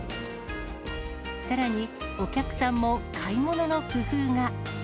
さらにお客さんも買い物の工夫が。